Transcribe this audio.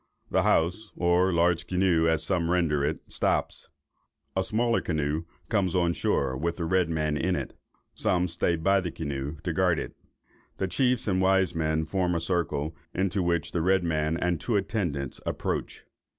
The house (or large canoe, as some render it) stops. A smaller canoe comes on shore, with the red man in it; some stay by his canoe, to guard it. The chiefs and wise men form a circle, into which the red man and two attendants approach.